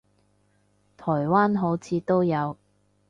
台灣好似都有